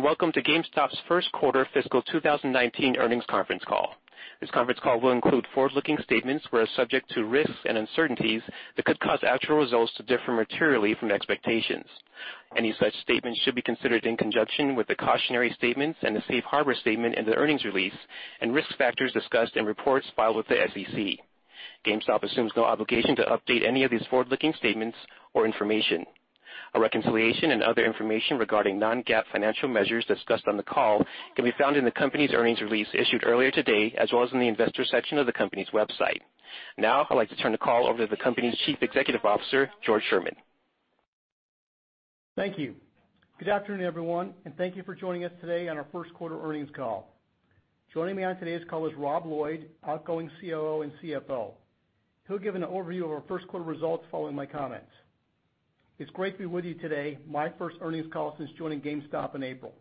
Welcome to GameStop's first quarter fiscal 2019 earnings conference call. This conference call will include forward-looking statements which are subject to risks and uncertainties that could cause actual results to differ materially from expectations. Any such statements should be considered in conjunction with the cautionary statements and the safe harbor statement in the earnings release and risk factors discussed in reports filed with the SEC. GameStop assumes no obligation to update any of these forward-looking statements or information. A reconciliation and other information regarding non-GAAP financial measures discussed on the call can be found in the company's earnings release issued earlier today, as well as in the investors section of the company's website. I'd like to turn the call over to the company's Chief Executive Officer, George Sherman. Thank you. Good afternoon, everyone. Thank you for joining us today on our first quarter earnings call. Joining me on today's call is Rob Lloyd, outgoing COO and CFO. He'll give an overview of our first quarter results following my comments. It's great to be with you today, my first earnings call since joining GameStop in April.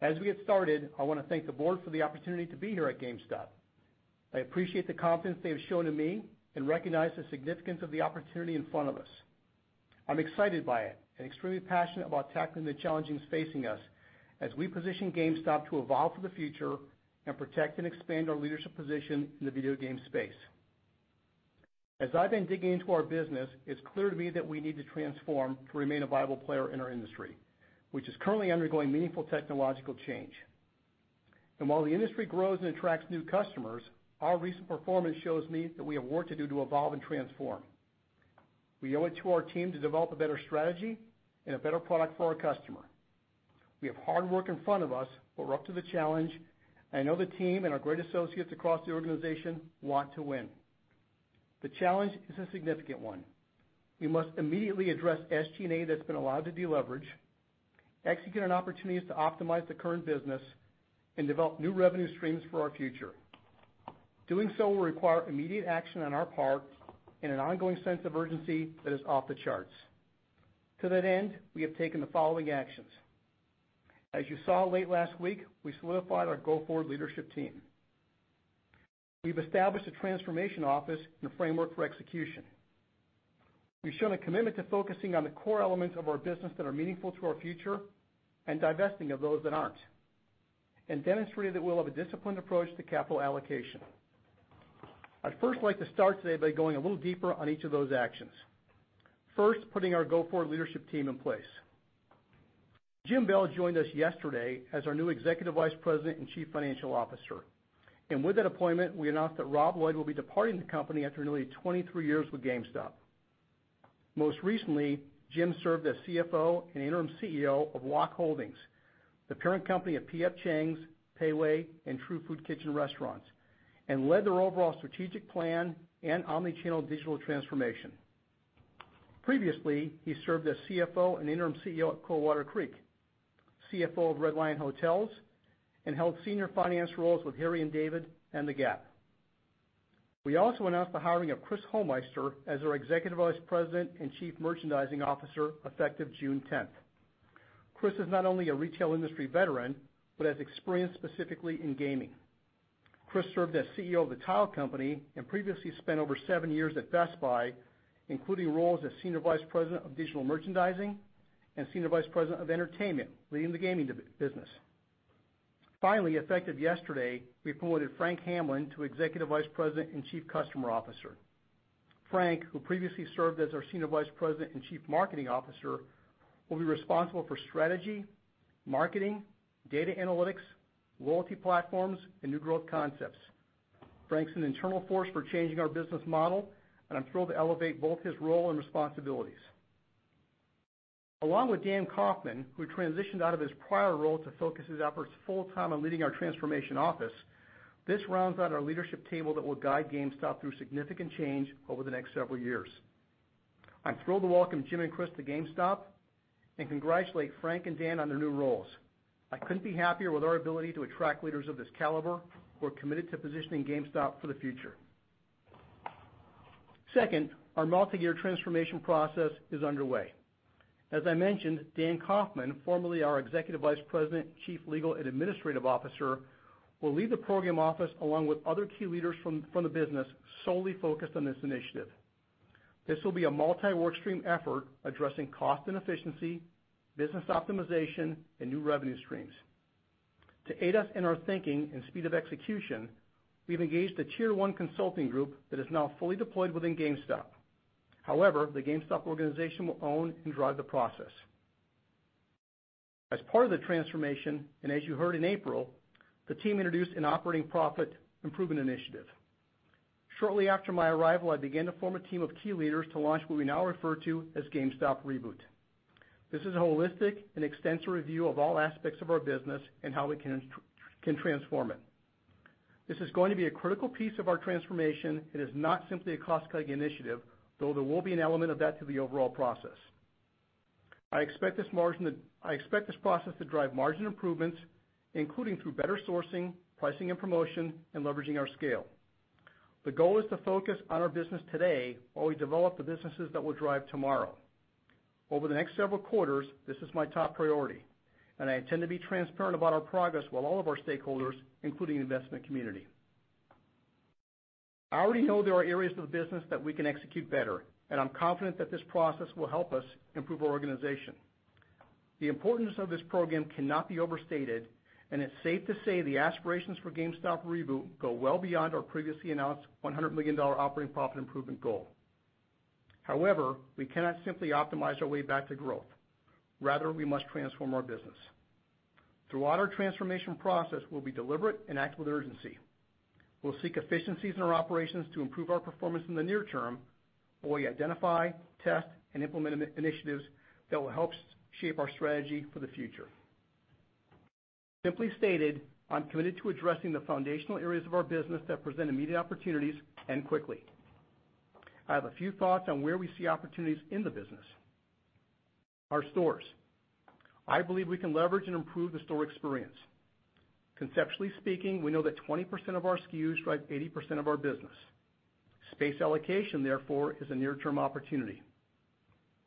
As we get started, I want to thank the board for the opportunity to be here at GameStop. I appreciate the confidence they have shown in me and recognize the significance of the opportunity in front of us. I'm excited by it and extremely passionate about tackling the challenges facing us as we position GameStop to evolve for the future and protect and expand our leadership position in the video game space. As I've been digging into our business, it's clear to me that we need to transform to remain a viable player in our industry, which is currently undergoing meaningful technological change. While the industry grows and attracts new customers, our recent performance shows me that we have work to do to evolve and transform. We owe it to our team to develop a better strategy and a better product for our customer. We have hard work in front of us. We're up to the challenge. I know the team and our great associates across the organization want to win. The challenge is a significant one. We must immediately address SG&A that's been allowed to deleverage, execute on opportunities to optimize the current business, and develop new revenue streams for our future. Doing so will require immediate action on our part and an ongoing sense of urgency that is off the charts. To that end, we have taken the following actions. As you saw late last week, we solidified our go-forward leadership team. We've established a Transformation Office and a framework for execution. We've shown a commitment to focusing on the core elements of our business that are meaningful to our future and divesting of those that aren't. We demonstrated that we'll have a disciplined approach to capital allocation. I'd first like to start today by going a little deeper on each of those actions. First, putting our go-forward leadership team in place. Jim Bell joined us yesterday as our new Executive Vice President and Chief Financial Officer. With that appointment, we announced that Rob Lloyd will be departing the company after nearly 23 years with GameStop. Most recently, Jim served as CFO and Interim CEO of Wok Holdings, the parent company of P.F. Chang's, Pei Wei, and True Food Kitchen restaurants, and led their overall strategic plan and omni-channel digital transformation. Previously, he served as CFO and Interim CEO at Coldwater Creek, CFO of Red Lion Hotels, and held senior finance roles with Harry & David and The Gap. We also announced the hiring of Chris Homeister as our Executive Vice President and Chief Merchandising Officer effective June 10th. Chris is not only a retail industry veteran, but has experience specifically in gaming. Chris served as CEO of The Tile Shop and previously spent over seven years at Best Buy, including roles as Senior Vice President of Digital Merchandising and Senior Vice President of Entertainment, leading the gaming business. Finally, effective yesterday, we promoted Frank Hamlin to Executive Vice President and Chief Customer Officer. Frank, who previously served as our Senior Vice President and Chief Marketing Officer, will be responsible for strategy, marketing, data analytics, loyalty platforms, and new growth concepts. Frank's an internal force for changing our business model, and I'm thrilled to elevate both his role and responsibilities. Along with Dan DeMatteo, who transitioned out of his prior role to focus his efforts full time on leading our transformation office, this rounds out our leadership table that will guide GameStop through significant change over the next several years. I'm thrilled to welcome Jim and Chris to GameStop and congratulate Frank and Dan on their new roles. I couldn't be happier with our ability to attract leaders of this caliber who are committed to positioning GameStop for the future. Second, our multi-year transformation process is underway. As I mentioned, Dan DeMatteo, formerly our Executive Vice President, Chief Legal and Administrative Officer, will lead the program office along with other key leaders from the business solely focused on this initiative. This will be a multi-work stream effort addressing cost and efficiency, business optimization, and new revenue streams. To aid us in our thinking and speed of execution, we've engaged a Tier 1 consulting group that is now fully deployed within GameStop. However, the GameStop organization will own and drive the process. As part of the transformation, and as you heard in April, the team introduced an operating profit improvement initiative. Shortly after my arrival, I began to form a team of key leaders to launch what we now refer to as GameStop Reboot. This is a holistic and extensive review of all aspects of our business and how we can transform it. This is going to be a critical piece of our transformation. It is not simply a cost-cutting initiative, though there will be an element of that to the overall process. I expect this process to drive margin improvements, including through better sourcing, pricing and promotion, and leveraging our scale. The goal is to focus on our business today while we develop the businesses that will drive tomorrow. Over the next several quarters, this is my top priority, and I intend to be transparent about our progress with all of our stakeholders, including the investment community. I already know there are areas of the business that we can execute better, and I'm confident that this process will help us improve our organization. The importance of this program cannot be overstated, and it's safe to say the aspirations for GameStop Reboot go well beyond our previously announced $100 million operating profit improvement goal. However, we cannot simply optimize our way back to growth. Rather, we must transform our business. Throughout our transformation process, we'll be deliberate and act with urgency. We'll seek efficiencies in our operations to improve our performance in the near term, while we identify, test, and implement initiatives that will help shape our strategy for the future. Simply stated, I'm committed to addressing the foundational areas of our business that present immediate opportunities and quickly. I have a few thoughts on where we see opportunities in the business. Our stores. I believe we can leverage and improve the store experience. Conceptually speaking, we know that 20% of our SKUs drive 80% of our business. Space allocation, therefore, is a near-term opportunity.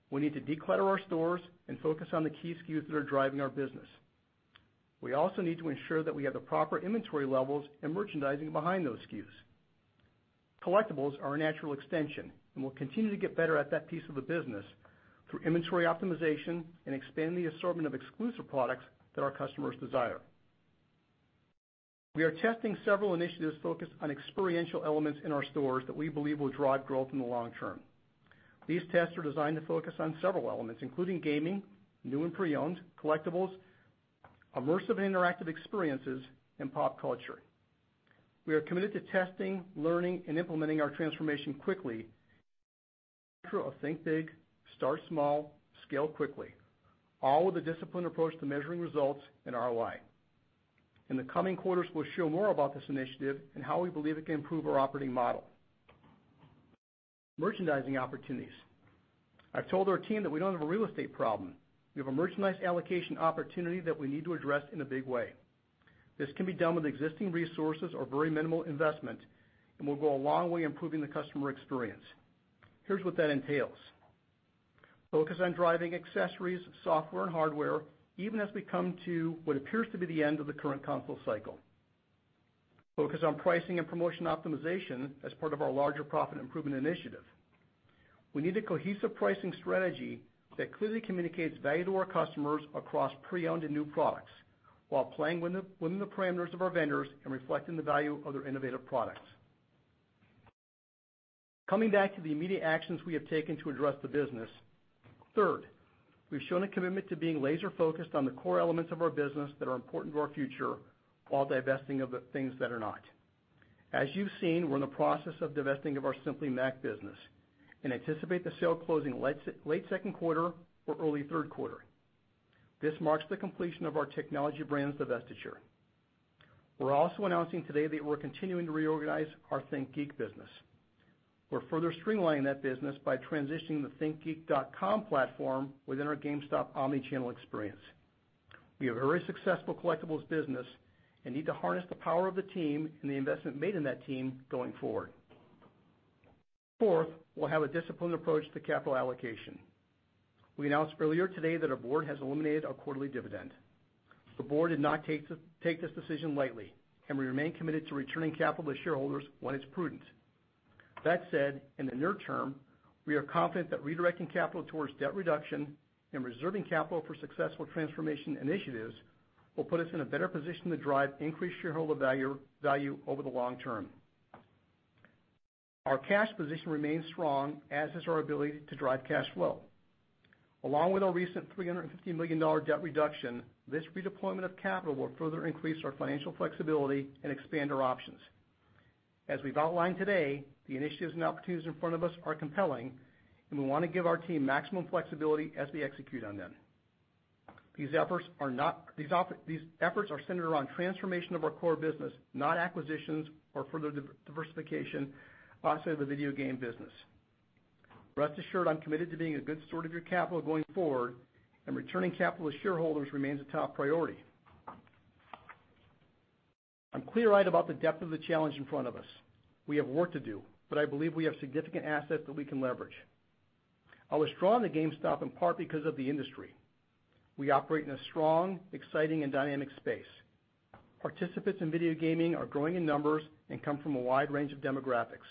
We need to declutter our stores and focus on the key SKUs that are driving our business. We also need to ensure that we have the proper inventory levels and merchandising behind those SKUs. Collectibles are a natural extension, and we'll continue to get better at that piece of the business through inventory optimization and expand the assortment of exclusive products that our customers desire. We are testing several initiatives focused on experiential elements in our stores that we believe will drive growth in the long term. These tests are designed to focus on several elements, including gaming, new and pre-owned, collectibles, immersive and interactive experiences, and pop culture. We are committed to testing, learning, and implementing our transformation quickly through a think big, start small, scale quickly, all with a disciplined approach to measuring results and ROI. In the coming quarters, we'll show more about this initiative and how we believe it can improve our operating model. Merchandising opportunities. I've told our team that we don't have a real estate problem. We have a merchandise allocation opportunity that we need to address in a big way. This can be done with existing resources or very minimal investment and will go a long way in improving the customer experience. Here's what that entails. Focus on driving accessories, software, and hardware, even as we come to what appears to be the end of the current console cycle. Focus on pricing and promotion optimization as part of our larger profit improvement initiative. We need a cohesive pricing strategy that clearly communicates value to our customers across pre-owned and new products, while playing within the parameters of our vendors and reflecting the value of their innovative products. Coming back to the immediate actions we have taken to address the business. Third, we've shown a commitment to being laser-focused on the core elements of our business that are important to our future while divesting of the things that are not. As you've seen, we're in the process of divesting of our Simply Mac business and anticipate the sale closing late second quarter or early third quarter. This marks the completion of our technology brands divestiture. We're also announcing today that we're continuing to reorganize our ThinkGeek business. We're further streamlining that business by transitioning the thinkgeek.com platform within our GameStop omni-channel experience. We have a very successful collectibles business and need to harness the power of the team and the investment made in that team going forward. Fourth, we'll have a disciplined approach to capital allocation. We announced earlier today that our board has eliminated our quarterly dividend. The board did not take this decision lightly. We remain committed to returning capital to shareholders when it's prudent. That said, in the near term, we are confident that redirecting capital towards debt reduction and reserving capital for successful transformation initiatives will put us in a better position to drive increased shareholder value over the long term. Our cash position remains strong, as is our ability to drive cash flow. Along with our recent $350 million debt reduction, this redeployment of capital will further increase our financial flexibility and expand our options. As we've outlined today, the initiatives and opportunities in front of us are compelling. We want to give our team maximum flexibility as we execute on them. These efforts are centered around transformation of our core business, not acquisitions or further diversification outside the video game business. Rest assured, I'm committed to being a good steward of your capital going forward. Returning capital to shareholders remains a top priority. I'm clear-eyed about the depth of the challenge in front of us. We have work to do. I believe we have significant assets that we can leverage. I was drawn to GameStop in part because of the industry. We operate in a strong, exciting, and dynamic space. Participants in video gaming are growing in numbers and come from a wide range of demographics.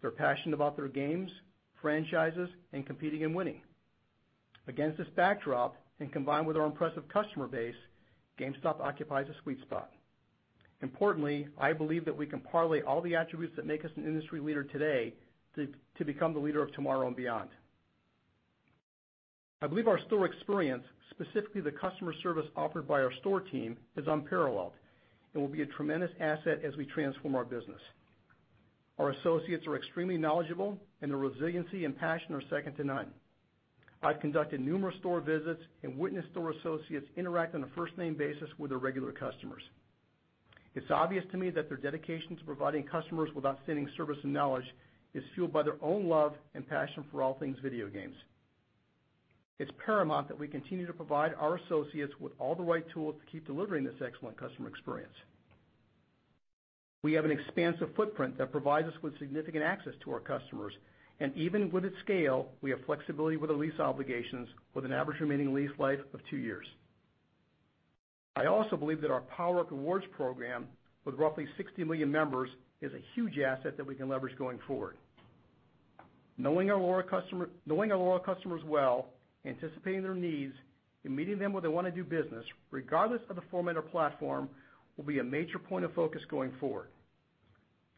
They're passionate about their games, franchises, and competing and winning. Against this backdrop, combined with our impressive customer base, GameStop occupies a sweet spot. Importantly, I believe that we can parlay all the attributes that make us an industry leader today to become the leader of tomorrow and beyond. I believe our store experience, specifically the customer service offered by our store team, is unparalleled and will be a tremendous asset as we transform our business. Our associates are extremely knowledgeable. Their resiliency and passion are second to none. I've conducted numerous store visits. I witnessed store associates interact on a first-name basis with their regular customers. It's obvious to me that their dedication to providing customers with outstanding service and knowledge is fueled by their own love and passion for all things video games. It's paramount that we continue to provide our associates with all the right tools to keep delivering this excellent customer experience. We have an expansive footprint that provides us with significant access to our customers. Even with its scale, we have flexibility with our lease obligations with an average remaining lease life of two years. I also believe that our PowerUp Rewards program, with roughly 60 million members, is a huge asset that we can leverage going forward. Knowing our loyal customers well, anticipating their needs, and meeting them where they want to do business, regardless of the format or platform, will be a major point of focus going forward.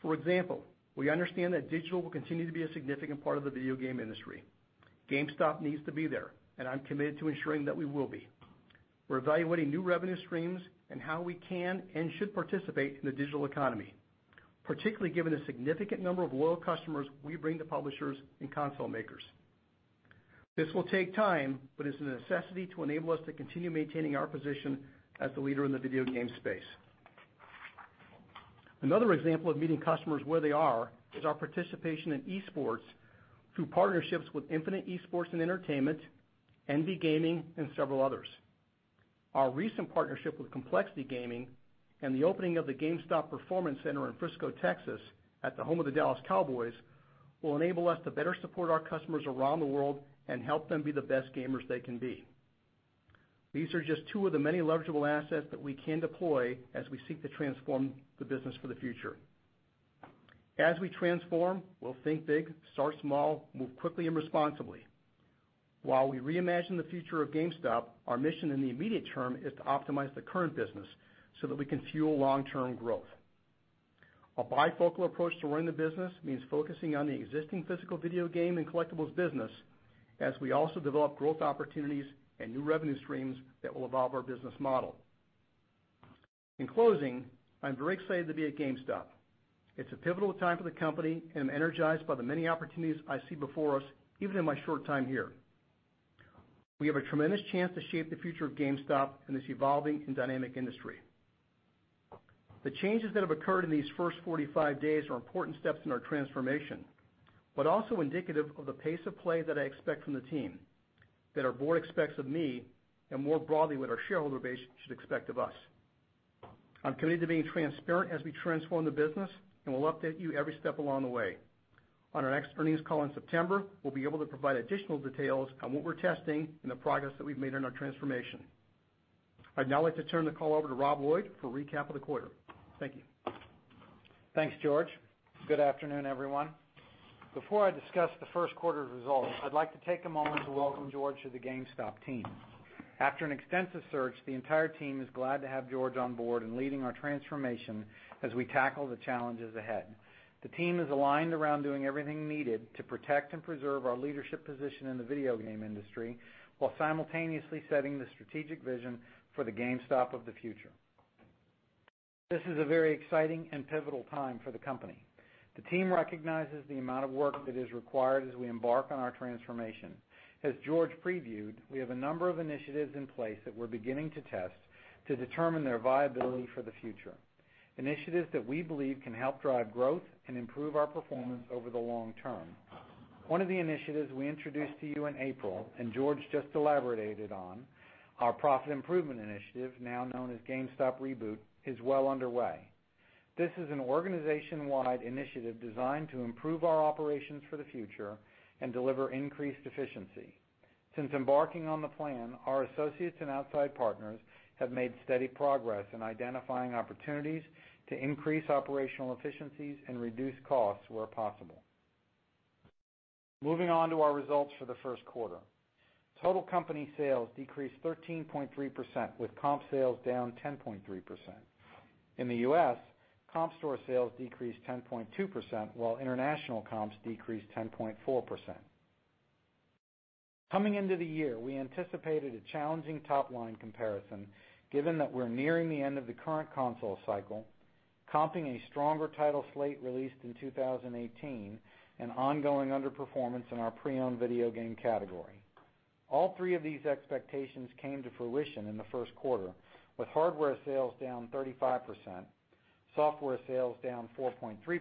For example, we understand that digital will continue to be a significant part of the video game industry. GameStop needs to be there. I'm committed to ensuring that we will be. We're evaluating new revenue streams and how we can and should participate in the digital economy, particularly given the significant number of loyal customers we bring to publishers and console makers. This will take time, but it's a necessity to enable us to continue maintaining our position as the leader in the video game space. Another example of meeting customers where they are, is our participation in esports through partnerships with Infinite Esports & Entertainment, Envy Gaming, and several others. Our recent partnership with Complexity Gaming and the opening of the GameStop Performance Center in Frisco, Texas, at the home of the Dallas Cowboys, will enable us to better support our customers around the world and help them be the best gamers they can be. These are just two of the many leverageable assets that we can deploy as we seek to transform the business for the future. As we transform, we'll think big, start small, move quickly and responsibly. While we reimagine the future of GameStop, our mission in the immediate term is to optimize the current business so that we can fuel long-term growth. A bifocal approach to running the business means focusing on the existing physical video game and collectibles business, as we also develop growth opportunities and new revenue streams that will evolve our business model. In closing, I'm very excited to be at GameStop. It's a pivotal time for the company, and I'm energized by the many opportunities I see before us, even in my short time here. We have a tremendous chance to shape the future of GameStop in this evolving and dynamic industry. The changes that have occurred in these first 45 days are important steps in our transformation, but also indicative of the pace of play that I expect from the team, that our board expects of me, and more broadly, what our shareholder base should expect of us. I'm committed to being transparent as we transform the business, and we'll update you every step along the way. On our next earnings call in September, we'll be able to provide additional details on what we're testing and the progress that we've made in our transformation. I'd now like to turn the call over to Rob Lloyd for a recap of the quarter. Thank you. Thanks, George. Good afternoon, everyone. Before I discuss the first quarter results, I'd like to take a moment to welcome George to the GameStop team. After an extensive search, the entire team is glad to have George on board and leading our transformation as we tackle the challenges ahead. The team is aligned around doing everything needed to protect and preserve our leadership position in the video game industry, while simultaneously setting the strategic vision for the GameStop of the future. This is a very exciting and pivotal time for the company. The team recognizes the amount of work that is required as we embark on our transformation. As George previewed, we have a number of initiatives in place that we're beginning to test to determine their viability for the future. Initiatives that we believe can help drive growth and improve our performance over the long term. One of the initiatives we introduced to you in April, and George just elaborated on, our profit improvement initiative, now known as GameStop Reboot, is well underway. This is an organization-wide initiative designed to improve our operations for the future and deliver increased efficiency. Since embarking on the plan, our associates and outside partners have made steady progress in identifying opportunities to increase operational efficiencies and reduce costs where possible. Moving on to our results for the first quarter. Total company sales decreased 13.3%, with comp sales down 10.3%. In the U.S., comp store sales decreased 10.2%, while international comps decreased 10.4%. Coming into the year, we anticipated a challenging top-line comparison, given that we're nearing the end of the current console cycle, comping a stronger title slate released in 2018, and ongoing underperformance in our pre-owned video game category. All three of these expectations came to fruition in the first quarter, with hardware sales down 35%, software sales down 4.3%,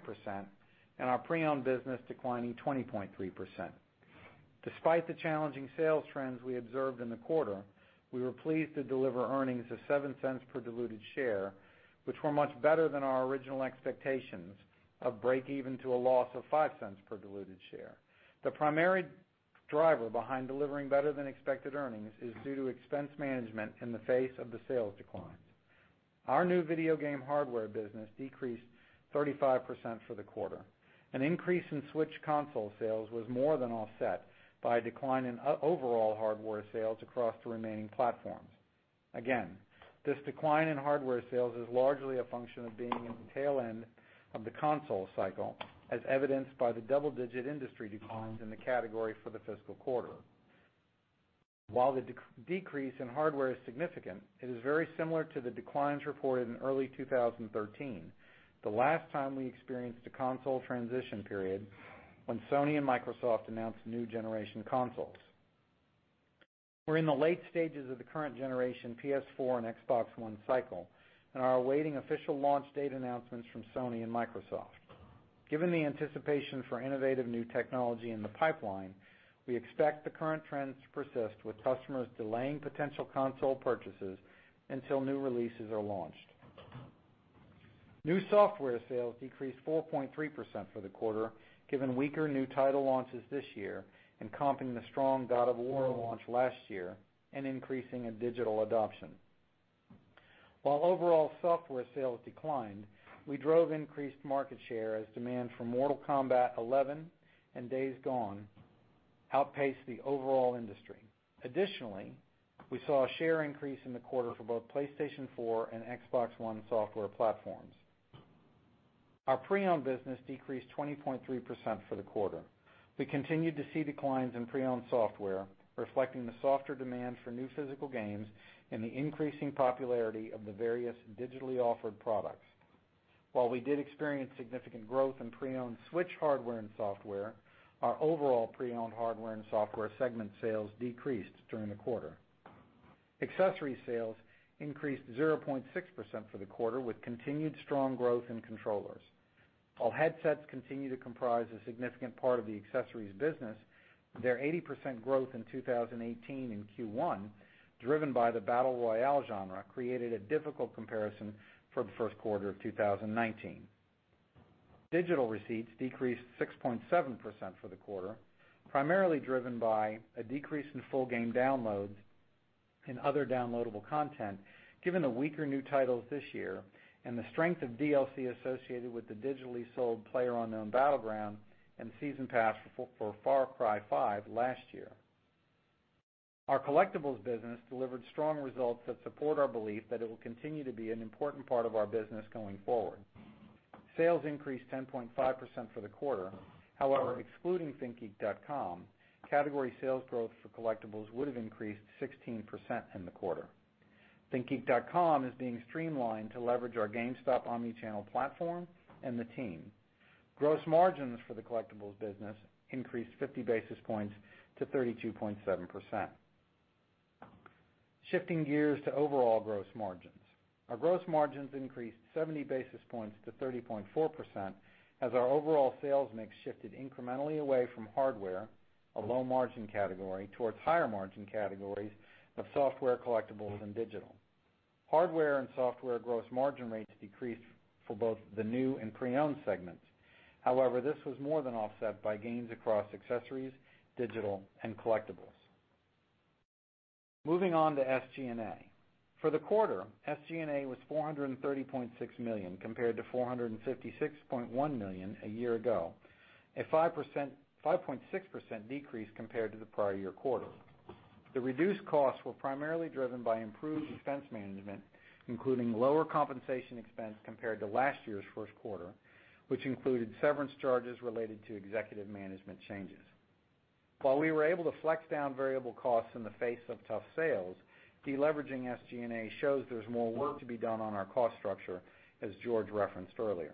and our pre-owned business declining 20.3%. Despite the challenging sales trends we observed in the quarter, we were pleased to deliver earnings of $0.07 per diluted share, which were much better than our original expectations of break even to a loss of $0.05 per diluted share. The primary driver behind delivering better than expected earnings is due to expense management in the face of the sales declines. Our new video game hardware business decreased 35% for the quarter. An increase in Switch console sales was more than offset by a decline in overall hardware sales across the remaining platforms. Again, this decline in hardware sales is largely a function of being in the tail end of the console cycle, as evidenced by the double-digit industry declines in the category for the fiscal quarter. While the decrease in hardware is significant, it is very similar to the declines reported in early 2013, the last time we experienced a console transition period, when Sony and Microsoft announced new generation consoles. We're in the late stages of the current generation PS4 and Xbox One cycle and are awaiting official launch date announcements from Sony and Microsoft. Given the anticipation for innovative new technology in the pipeline, we expect the current trends to persist, with customers delaying potential console purchases until new releases are launched. New software sales decreased 4.3% for the quarter, given weaker new title launches this year and comping the strong God of War launch last year and increasing in digital adoption. While overall software sales declined, we drove increased market share as demand for Mortal Kombat 11 and Days Gone outpaced the overall industry. Additionally, we saw a share increase in the quarter for both PlayStation 4 and Xbox One software platforms. Our pre-owned business decreased 20.3% for the quarter. We continued to see declines in pre-owned software, reflecting the softer demand for new physical games and the increasing popularity of the various digitally offered products. While we did experience significant growth in pre-owned Switch hardware and software, our overall pre-owned hardware and software segment sales decreased during the quarter. Accessory sales increased 0.6% for the quarter with continued strong growth in controllers. While headsets continue to comprise a significant part of the accessories business, their 80% growth in 2018 in Q1, driven by the battle royale genre, created a difficult comparison for the first quarter of 2019. Digital receipts decreased 6.7% for the quarter, primarily driven by a decrease in full game downloads and other downloadable content, given the weaker new titles this year and the strength of DLC associated with the digitally sold PlayerUnknown's Battlegrounds and Season Pass for Far Cry 5 last year. Our collectibles business delivered strong results that support our belief that it will continue to be an important part of our business going forward. Sales increased 10.5% for the quarter. Excluding thinkgeek.com, category sales growth for collectibles would have increased 16% in the quarter. thinkgeek.com is being streamlined to leverage our GameStop omni-channel platform and the team. Gross margins for the collectibles business increased 50 basis points to 32.7%. Shifting gears to overall gross margins. Our gross margins increased 70 basis points to 30.4% as our overall sales mix shifted incrementally away from hardware, a low-margin category, towards higher-margin categories of software, collectibles, and digital. Hardware and software gross margin rates decreased for both the new and pre-owned segments. This was more than offset by gains across accessories, digital, and collectibles. Moving on to SG&A. For the quarter, SG&A was $430.6 million compared to $456.1 million a year ago, a 5.6% decrease compared to the prior year quarter. The reduced costs were primarily driven by improved expense management, including lower compensation expense compared to last year's first quarter, which included severance charges related to executive management changes. While we were able to flex down variable costs in the face of tough sales, de-leveraging SG&A shows there's more work to be done on our cost structure, as George referenced earlier.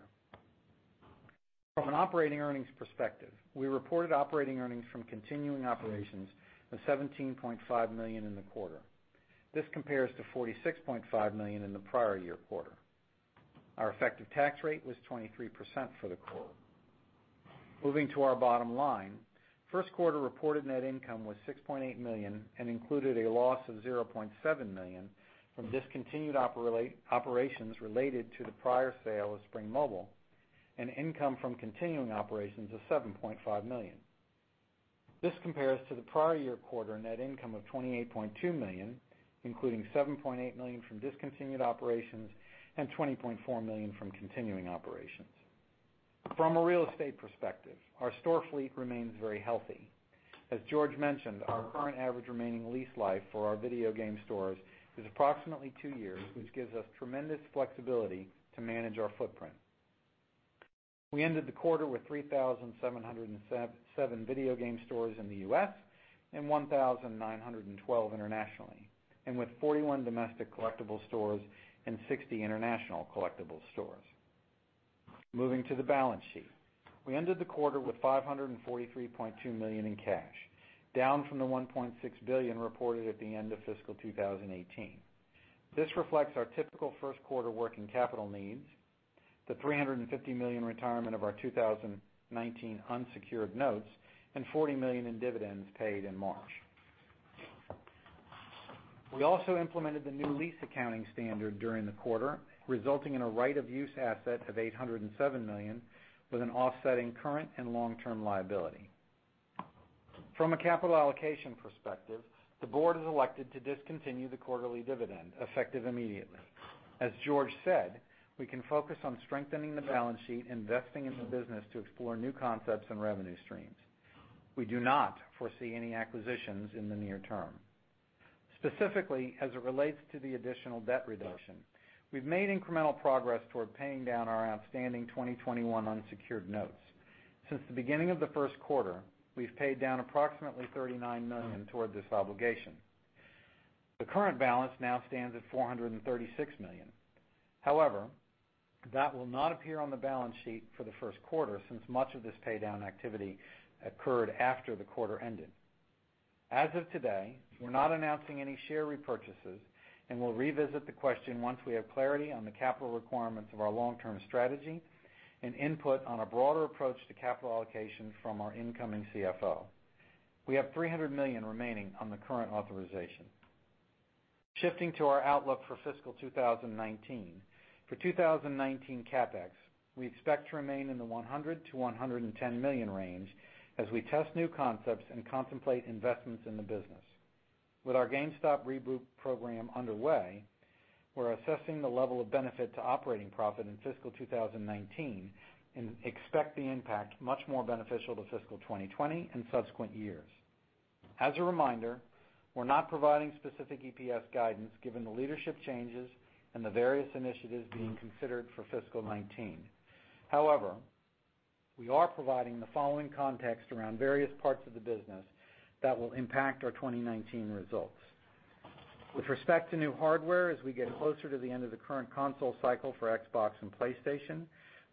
From an operating earnings perspective, we reported operating earnings from continuing operations of $17.5 million in the quarter. This compares to $46.5 million in the prior year quarter. Our effective tax rate was 23% for the quarter. Moving to our bottom line, first quarter reported net income was $6.8 million and included a loss of $0.7 million from discontinued operations related to the prior sale of Spring Mobile, and income from continuing operations of $7.5 million. This compares to the prior year quarter net income of $28.2 million, including $7.8 million from discontinued operations and $20.4 million from continuing operations. From a real estate perspective, our store fleet remains very healthy. As George mentioned, our current average remaining lease life for our video game stores is approximately two years, which gives us tremendous flexibility to manage our footprint. We ended the quarter with 3,707 video game stores in the U.S. and 1,912 internationally, and with 41 domestic collectible stores and 60 international collectibles stores. Moving to the balance sheet. We ended the quarter with $543.2 million in cash, down from the $1.6 billion reported at the end of fiscal 2018. This reflects our typical first quarter working capital needs, the $350 million retirement of our 2019 unsecured notes, and $40 million in dividends paid in March. We also implemented the new lease accounting standard during the quarter, resulting in a right-of-use asset of $807 million with an offsetting current and long-term liability. From a capital allocation perspective, the board has elected to discontinue the quarterly dividend, effective immediately. As George said, we can focus on strengthening the balance sheet, investing in the business to explore new concepts and revenue streams. We do not foresee any acquisitions in the near term. Specifically, as it relates to the additional debt reduction, we've made incremental progress toward paying down our outstanding 2021 unsecured notes. Since the beginning of the first quarter, we've paid down approximately $39 million toward this obligation. The current balance now stands at $436 million. That will not appear on the balance sheet for the first quarter, since much of this pay down activity occurred after the quarter ended. As of today, we're not announcing any share repurchases, and we'll revisit the question once we have clarity on the capital requirements of our long-term strategy and input on a broader approach to capital allocation from our incoming CFO. We have $300 million remaining on the current authorization. Shifting to our outlook for fiscal 2019. For 2019 CapEx, we expect to remain in the $100 million-$110 million range as we test new concepts and contemplate investments in the business. With our GameStop Reboot program underway, we're assessing the level of benefit to operating profit in fiscal 2019 and expect the impact much more beneficial to fiscal 2020 and subsequent years. As a reminder, we're not providing specific EPS guidance given the leadership changes and the various initiatives being considered for fiscal 2019. We are providing the following context around various parts of the business that will impact our 2019 results. With respect to new hardware, as we get closer to the end of the current console cycle for Xbox and PlayStation,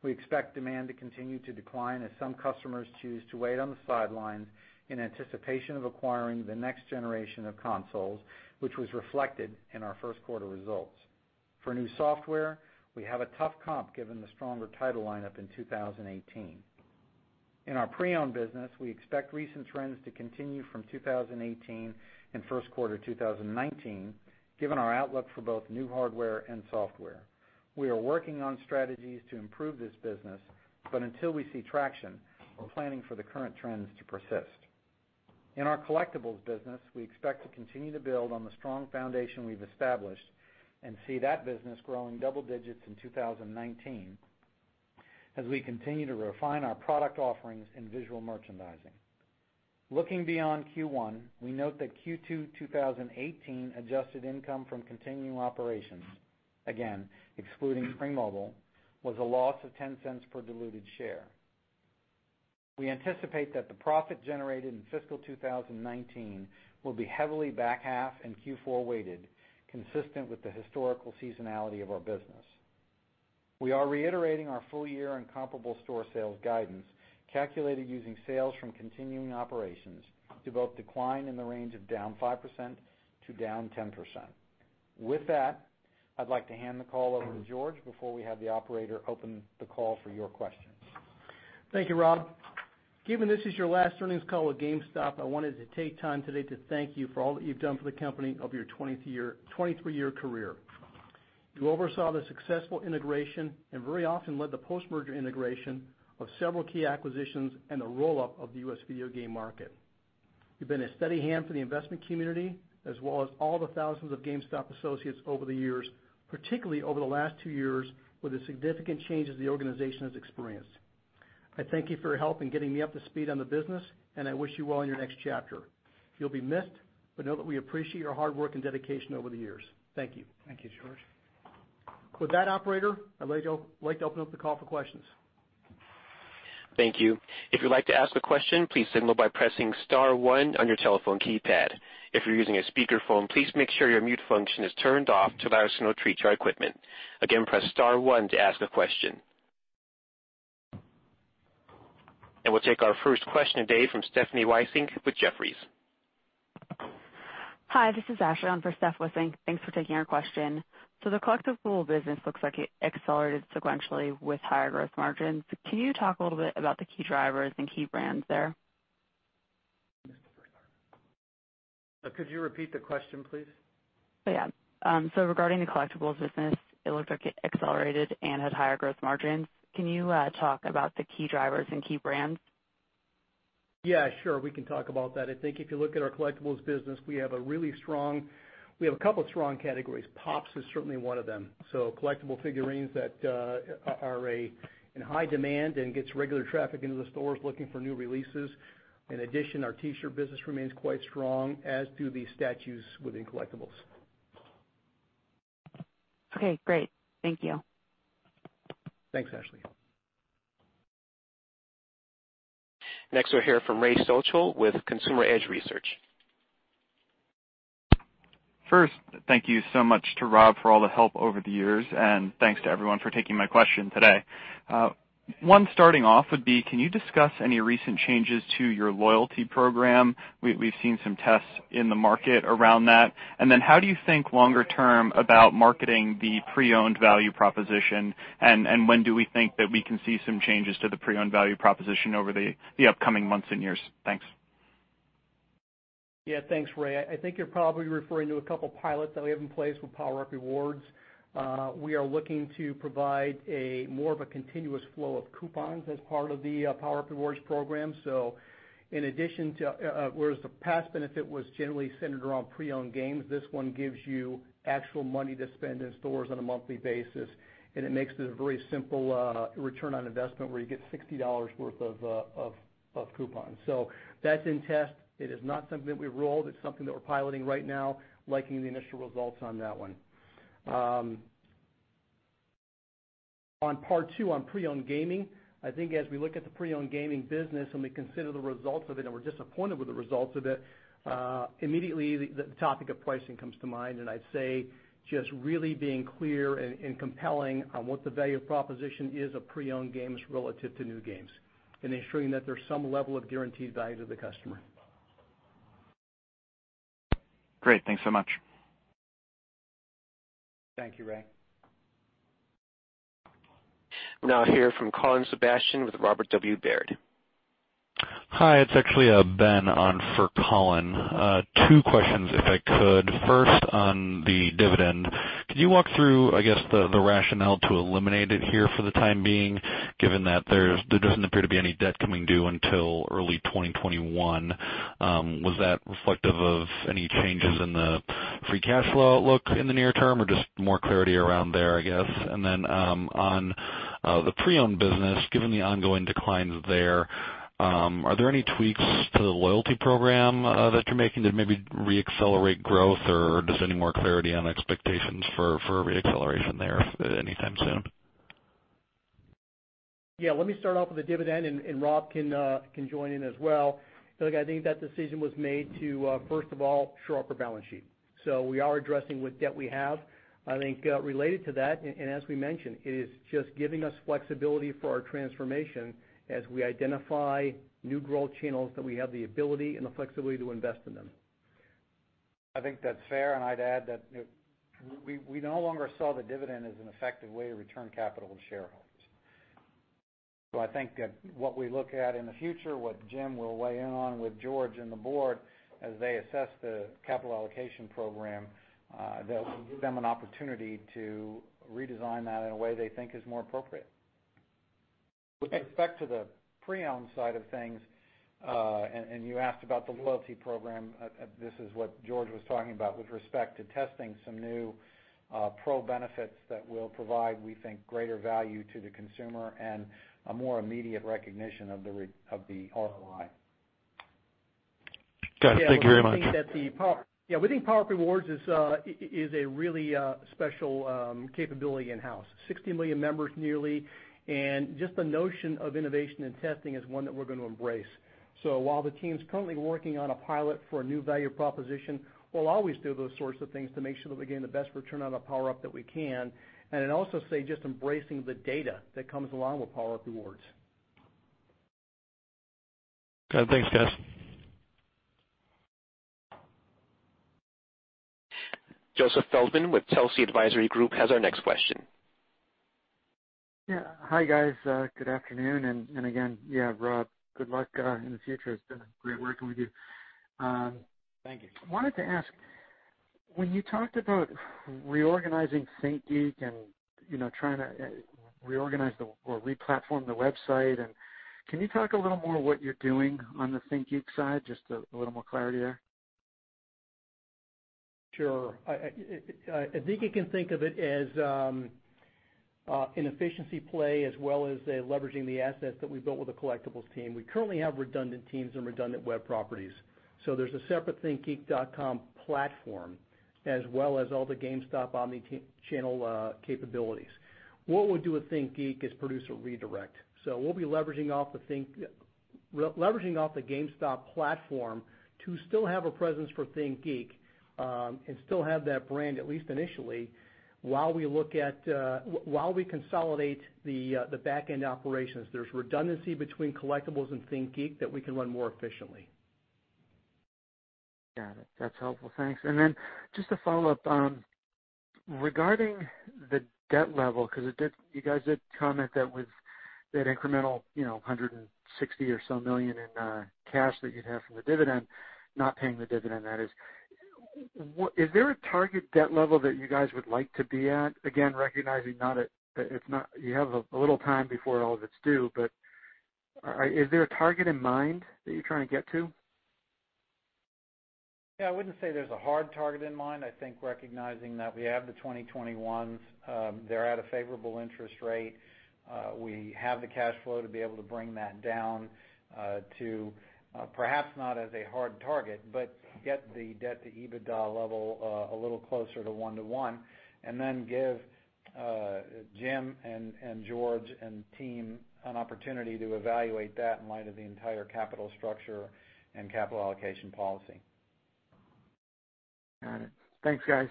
we expect demand to continue to decline as some customers choose to wait on the sidelines in anticipation of acquiring the next generation of consoles, which was reflected in our first quarter results. For new software, we have a tough comp given the stronger title lineup in 2018. In our pre-owned business, we expect recent trends to continue from 2018 and first quarter 2019, given our outlook for both new hardware and software. We are working on strategies to improve this business, but until we see traction, we're planning for the current trends to persist. In our collectibles business, we expect to continue to build on the strong foundation we've established and see that business growing double digits in 2019 as we continue to refine our product offerings and visual merchandising. Looking beyond Q1, we note that Q2 2018 adjusted income from continuing operations, again, excluding Spring Mobile, was a loss of $0.10 per diluted share. We anticipate that the profit generated in fiscal 2019 will be heavily back half and Q4 weighted, consistent with the historical seasonality of our business. We are reiterating our full year and comparable store sales guidance, calculated using sales from continuing operations to both decline in the range of down 5% to down 10%. With that, I'd like to hand the call over to George before we have the operator open the call for your questions. Thank you, Rob. Given this is your last earnings call at GameStop, I wanted to take time today to thank you for all that you've done for the company over your 23-year career. You oversaw the successful integration and very often led the post-merger integration of several key acquisitions and the roll-up of the U.S. video game market. You've been a steady hand for the investment community as well as all the thousands of GameStop associates over the years, particularly over the last two years with the significant changes the organization has experienced. I thank you for your help in getting me up to speed on the business, and I wish you well in your next chapter. You'll be missed, but know that we appreciate your hard work and dedication over the years. Thank you. Thank you, George. With that operator, I'd like to open up the call for questions. Thank you. If you'd like to ask a question, please signal by pressing star 1 on your telephone keypad. If you're using a speakerphone, please make sure your mute function is turned off to allow a signal through to our equipment. Again, press star 1 to ask a question. We'll take our first question today from Stephanie Wissink with Jefferies. Hi, this is Ashley on for Steph Wissink. Thanks for taking our question. The collectibles business looks like it accelerated sequentially with higher growth margins. Can you talk a little bit about the key drivers and key brands there? Could you repeat the question, please? Yeah. Regarding the collectibles business, it looks like it accelerated and had higher growth margins. Can you talk about the key drivers and key brands? Yeah, sure. We can talk about that. I think if you look at our collectibles business, we have a couple of strong categories. Pops is certainly one of them. Collectible figurines that are in high demand and gets regular traffic into the stores looking for new releases. In addition, our T-shirt business remains quite strong, as do the statues within collectibles. Okay, great. Thank you. Thanks, Ashley. Next we'll hear from Ray Stochel with Consumer Edge Research. First, thank you so much to Rob for all the help over the years. Thanks to everyone for taking my question today. One starting off would be, can you discuss any recent changes to your loyalty program? We've seen some tests in the market around that. How do you think longer term about marketing the pre-owned value proposition? When do we think that we can see some changes to the pre-owned value proposition over the upcoming months and years? Thanks. Thanks, Ray. I think you're probably referring to a couple pilots that we have in place with PowerUp Rewards. We are looking to provide more of a continuous flow of coupons as part of the PowerUp Rewards program. Whereas the past benefit was generally centered around pre-owned games, this one gives you actual money to spend in stores on a monthly basis, and it makes it a very simple return on investment where you get $60 worth of coupons. That's in test. It is not something that we've rolled. It's something that we're piloting right now, liking the initial results on that one. On part two on pre-owned gaming, I think as we look at the pre-owned gaming business and we consider the results of it and we're disappointed with the results of it, immediately the topic of pricing comes to mind. I'd say just really being clear and compelling on what the value proposition is of pre-owned games relative to new games and ensuring that there's some level of guaranteed value to the customer. Great. Thanks so much. Thank you, Ray. Now hear from Colin Sebastian with Robert W. Baird. Hi, it's actually Ben on for Colin. Two questions, if I could. First, on the dividend, could you walk through, I guess, the rationale to eliminate it here for the time being, given that there doesn't appear to be any debt coming due until early 2021? Was that reflective of any changes in the free cash flow outlook in the near term or just more clarity around there, I guess? And then on the pre-owned business, given the ongoing declines there, are there any tweaks to the loyalty program that you're making to maybe re-accelerate growth? Or just any more clarity on expectations for re-acceleration there anytime soon? Yeah, let me start off with the dividend, and Rob can join in as well. Look, I think that decision was made to, first of all, shore up our balance sheet. We are addressing what debt we have. I think, related to that, as we mentioned, it is just giving us flexibility for our transformation as we identify new growth channels that we have the ability and the flexibility to invest in them. I think that's fair, I'd add that we no longer saw the dividend as an effective way to return capital to shareholders. I think that what we look at in the future, what Jim will weigh in on with George and the board as they assess the capital allocation program, that will give them an opportunity to redesign that in a way they think is more appropriate. With respect to the pre-owned side of things, you asked about the loyalty program, this is what George was talking about with respect to testing some new pro benefits that will provide, we think, greater value to the consumer and a more immediate recognition of the ROI. Got it. Thank you very much. Yeah, we think PowerUp Rewards is a really special capability in-house. 60 million members nearly, just the notion of innovation and testing is one that we're going to embrace. While the team's currently working on a pilot for a new value proposition, we'll always do those sorts of things to make sure that we're getting the best return out of PowerUp that we can. Then also say, just embracing the data that comes along with PowerUp Rewards. Good. Thanks, guys. Joseph Feldman with Telsey Advisory Group has our next question. Yeah. Hi, guys. Good afternoon. Again, yeah, Rob, good luck in the future. It's been great working with you. Thank you. wanted to ask, when you talked about reorganizing ThinkGeek and trying to reorganize or re-platform the website, can you talk a little more what you're doing on the ThinkGeek side? Just a little more clarity there. Sure. I think you can think of it as an efficiency play, as well as leveraging the assets that we built with the collectibles team. We currently have redundant teams and redundant web properties. There's a separate thinkgeek.com platform, as well as all the GameStop omni-channel capabilities. What we'll do with ThinkGeek is produce a redirect. We'll be leveraging off the GameStop platform to still have a presence for ThinkGeek, and still have that brand, at least initially, while we consolidate the back-end operations. There's redundancy between collectibles and ThinkGeek that we can run more efficiently. Got it. That's helpful. Thanks. Just a follow-up. Regarding the debt level, because you guys did comment that with that incremental $160 million or so in cash that you'd have from the dividend, not paying the dividend, that is. Is there a target debt level that you guys would like to be at? Again, recognizing you have a little time before all of it's due, but is there a target in mind that you're trying to get to? Yeah, I wouldn't say there's a hard target in mind. I think recognizing that we have the 2021s, they're at a favorable interest rate. We have the cash flow to be able to bring that down to, perhaps not as a hard target, but get the debt to EBITDA level a little closer to one to one, and then give Jim and George and team an opportunity to evaluate that in light of the entire capital structure and capital allocation policy. Got it. Thanks, guys.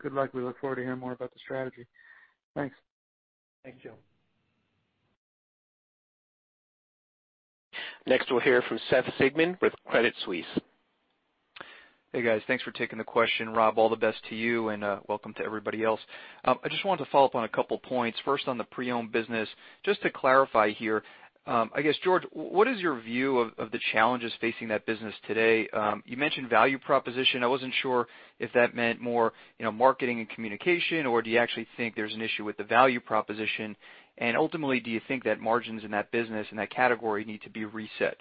Good luck. We look forward to hearing more about the strategy. Thanks. Thanks, Joe. Next, we'll hear from Seth Sigman with Credit Suisse. Hey, guys. Thanks for taking the question. Rob, all the best to you, and welcome to everybody else. I just wanted to follow up on a couple points. First, on the pre-owned business, just to clarify here, I guess, George, what is your view of the challenges facing that business today? You mentioned value proposition. I wasn't sure if that meant more marketing and communication, or do you actually think there's an issue with the value proposition? Ultimately, do you think that margins in that business and that category need to be reset?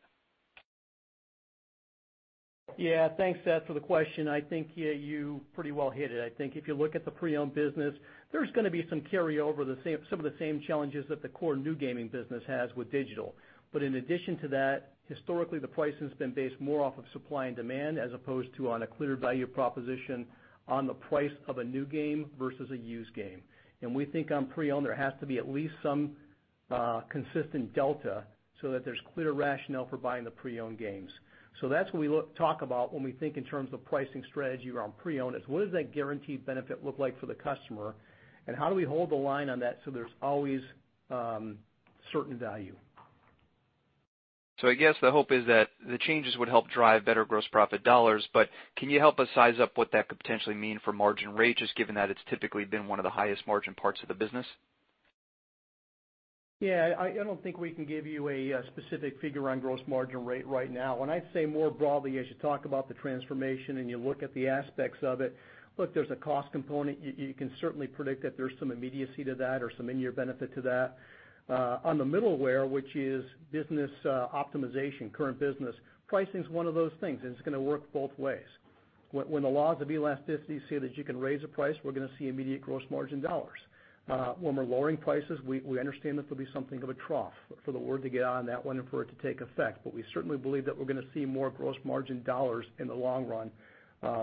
Yeah. Thanks, Seth, for the question. I think you pretty well hit it. I think if you look at the pre-owned business, there's going to be some carryover, some of the same challenges that the core new gaming business has with digital. In addition to that, historically, the pricing's been based more off of supply and demand, as opposed to on a clear value proposition on the price of a new game versus a used game. We think on pre-owned, there has to be at least some consistent delta so that there's clear rationale for buying the pre-owned games. That's what we talk about when we think in terms of pricing strategy around pre-owned, is what does that guaranteed benefit look like for the customer, and how do we hold the line on that so there's always certain value? I guess the hope is that the changes would help drive better gross profit dollars, can you help us size up what that could potentially mean for margin rates, just given that it's typically been one of the highest margin parts of the business? Yeah. I don't think we can give you a specific figure on gross margin rate right now. When I say more broadly, as you talk about the transformation and you look at the aspects of it, look, there's a cost component. You can certainly predict that there's some immediacy to that or some in-year benefit to that. On the middleware, which is business optimization, current business, pricing's one of those things, and it's going to work both ways. When the laws of elasticity say that you can raise a price, we're going to see immediate gross margin dollars. When we're lowering prices, we understand that there'll be something of a trough for the word to get out on that one and for it to take effect. We certainly believe that we're going to see more gross margin dollars in the long run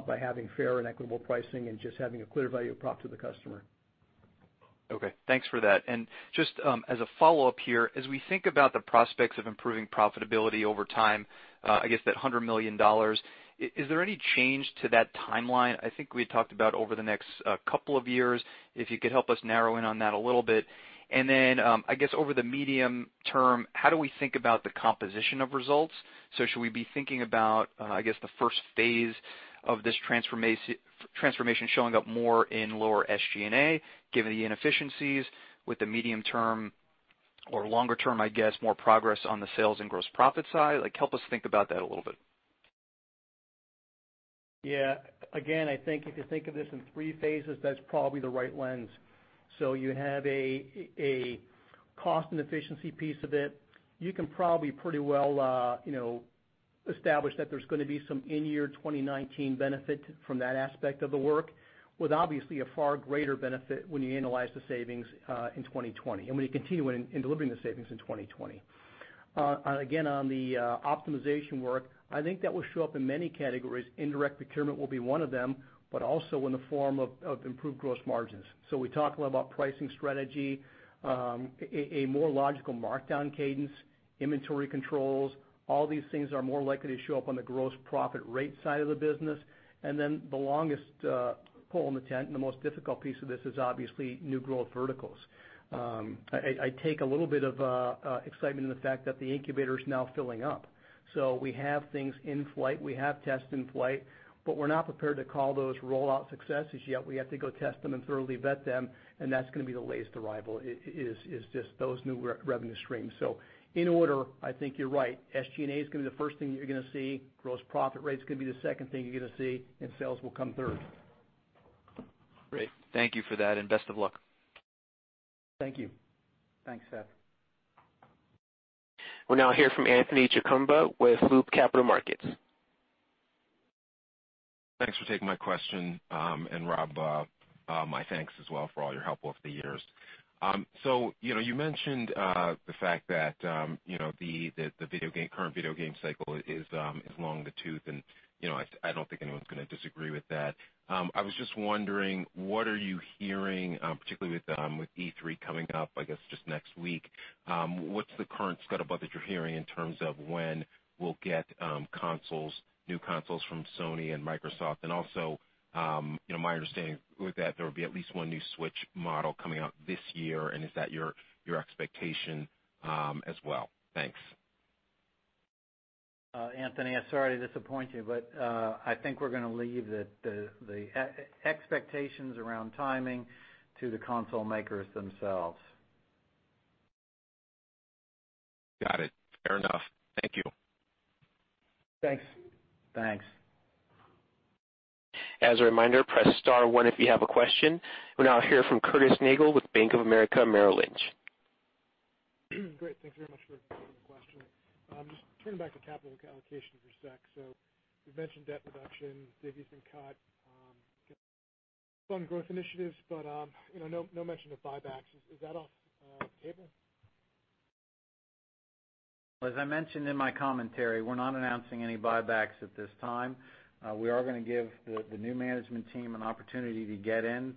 by having fair and equitable pricing and just having a clear value prop to the customer. Okay. Thanks for that. Just as a follow-up here, as we think about the prospects of improving profitability over time, I guess that $100 million, is there any change to that timeline? I think we had talked about over the next couple of years. If you could help us narrow in on that a little bit. Then, I guess over the medium term, how do we think about the composition of results? Should we be thinking about, I guess, the first phase of this transformation showing up more in lower SG&A, given the inefficiencies with the medium term or longer term, I guess, more progress on the sales and gross profit side? Help us think about that a little bit. Yeah. Again, I think if you think of this in three phases, that's probably the right lens. You have a cost and efficiency piece of it. You can probably pretty well establish that there's going to be some in-year 2019 benefit from that aspect of the work, with obviously a far greater benefit when you annualize the savings in 2020, and when you continue in delivering the savings in 2020. Again, on the optimization work, I think that will show up in many categories. Indirect procurement will be one of them, but also in the form of improved gross margins. We talk a lot about pricing strategy, a more logical markdown cadence, inventory controls. All these things are more likely to show up on the gross profit rate side of the business. The longest pole in the tent and the most difficult piece of this is obviously new growth verticals. I take a little bit of excitement in the fact that the incubator is now filling up. We have things in flight. We have tests in flight, but we're not prepared to call those rollout successes yet. We have to go test them and thoroughly vet them, and that's going to be the latest arrival, is just those new revenue streams. In order, I think you're right, SG&A is going to be the first thing you're going to see, gross profit rate is going to be the second thing you're going to see, and sales will come third. Great. Thank you for that, and best of luck. Thank you. Thanks, Seth. We'll now hear from Anthony Chukumba with Loop Capital Markets. Rob, my thanks as well for all your help over the years. You mentioned the fact that the current video game cycle is long in the tooth, and I don't think anyone's going to disagree with that. I was just wondering, what are you hearing, particularly with E3 coming up, I guess, just next week, what's the current scuttlebutt that you're hearing in terms of when we'll get new consoles from Sony and Microsoft? Also, my understanding was that there would be at least one new Switch model coming out this year. Is that your expectation as well? Thanks. Anthony, I'm sorry to disappoint you, but I think we're going to leave the expectations around timing to the console makers themselves. Got it. Fair enough. Thank you. Thanks. Thanks. As a reminder, press star one if you have a question. We'll now hear from Curtis Nagle with Bank of America Merrill Lynch. Great. Thank you very much for taking the question. Just turning back to capital allocation for a sec. You've mentioned debt reduction, divvy's been cut, fund growth initiatives, but no mention of buybacks. Is that off the table? As I mentioned in my commentary, we're not announcing any buybacks at this time. We are going to give the new management team an opportunity to get in,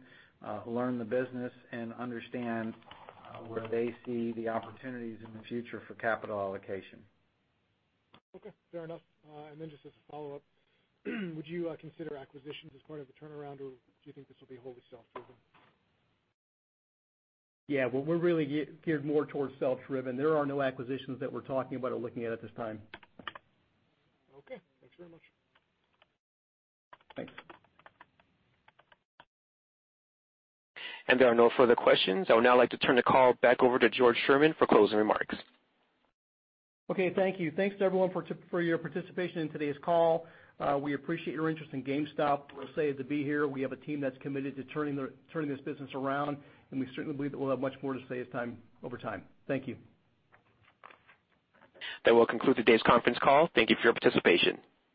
learn the business and understand where they see the opportunities in the future for capital allocation. Okay. Fair enough. Just as a follow-up, would you consider acquisitions as part of the turnaround, or do you think this will be wholly self-driven? Yeah. Well, we're really geared more towards self-driven. There are no acquisitions that we're talking about or looking at this time. Okay. Thanks very much. Thanks. There are no further questions. I would now like to turn the call back over to George Sherman for closing remarks. Okay. Thank you. Thanks, everyone, for your participation in today's call. We appreciate your interest in GameStop. We're excited to be here. We have a team that's committed to turning this business around, and we certainly believe that we'll have much more to say as time over time. Thank you. That will conclude today's conference call. Thank you for your participation.